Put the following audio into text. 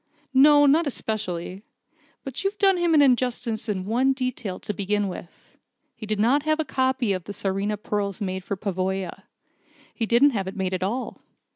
"No, not especially. But you've done him an injustice in one detail, to begin with. He did not have the copy of the Tsarina pearls made for Pavoya. He didn't have it made at all.